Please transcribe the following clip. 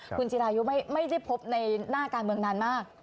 คุณจิรายุไม่ได้พบในหน้าการเมืองนานมาก